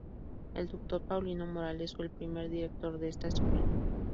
El Dr. Paulino Morales fue el primer Director de esta Escuela.